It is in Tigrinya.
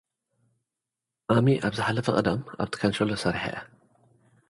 ኣሚ፡ ኣብ ዝሓለፈ ቀዳም ኣብቲ ካንቸሎ ሰሪሓ እያ።